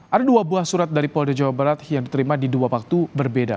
ada dua buah surat dari polda jawa barat yang diterima di dua waktu berbeda